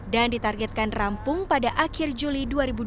dan ditargetkan rampung pada akhir juli dua ribu dua puluh tiga